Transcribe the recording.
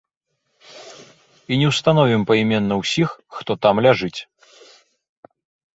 І не ўстановім пайменна ўсіх, хто там ляжыць.